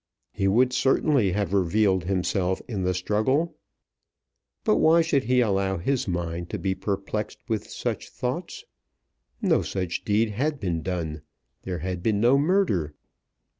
He would certainly have revealed himself in the struggle! But why should he allow his mind to be perplexed with such thoughts? No such deed had been done. There had been no murder.